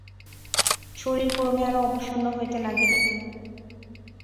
শরীর ক্রমে আরও অবসন্ন হইতে লাগিল।